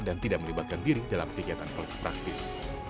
dan tidak melibatkan diri dalam kegiatan pelaku praktis